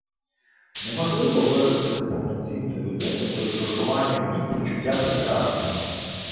Неможливо виростити повноцінну людину без виховання в ній почуття Прекрасного.